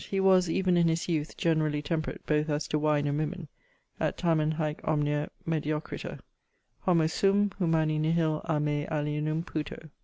_ He was, even in his youth, (generally) temperate, both as to wine and women, (et tamen haec omnia mediocriter) Homo sum, humani nihil a me alienum puto.